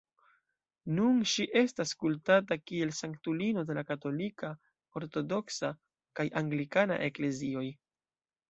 Nun ŝi estas kultata kiel sanktulino de la Katolika, Ortodoksa kaj Anglikana Eklezioj.